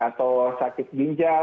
atau sakit ginjal